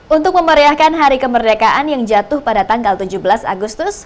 untuk memeriahkan hari kemerdekaan yang jatuh pada tanggal tujuh belas agustus